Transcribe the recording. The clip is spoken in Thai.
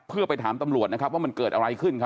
เพื่อไปถามตำรวจนะครับว่ามันเกิดอะไรขึ้นครับ